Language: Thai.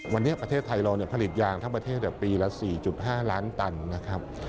วันนี้ประเทศไทยเราผลิตยางทั้งประเทศปีละ๔๕ล้านตันนะครับ